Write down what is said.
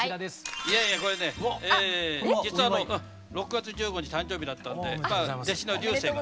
いやいやこれね実は６月１５日誕生日だったんで弟子の彩青が。